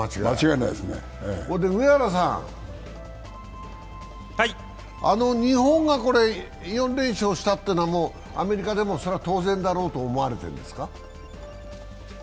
上原さん、日本が４連勝したというのはアメリカでも当然だろうと思われてますか？